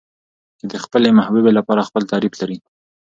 چې د خپلې محبوبې لپاره خپل تعريف لري.